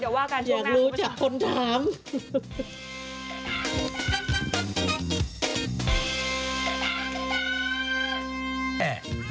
อยากรู้จักคนถาม